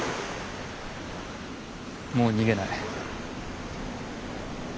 もう逃げない。